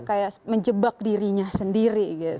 kayak menjebak dirinya sendiri